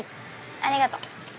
ありがと。